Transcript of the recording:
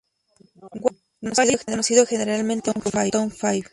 Guay es conocido generalmente como Tom Five.